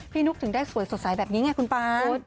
นุ๊กถึงได้สวยสดใสแบบนี้ไงคุณป๊า